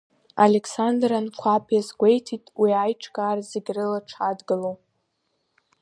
Александр Анқәаб иазгәеиҭеит уи аиҿкаара зегьрыла дшадгылоу.